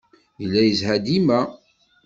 Yella yezha dima.